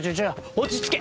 落ち着け！